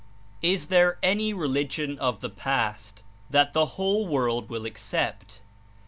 Is there any religion of the past that the whole . world will accept?